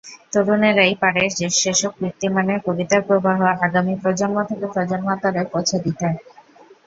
তরুণেরাই পারে সেসব কীর্তিমানের কবিতার প্রবাহ আগামী প্রজন্ম থেকে প্রজন্মান্তরে পৌঁছে দিতে।